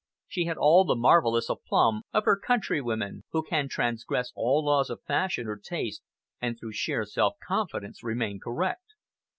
She had all the marvellous "aplomb" of her countrywomen, who can transgress all laws of fashion or taste, and through sheer self confidence remain correct.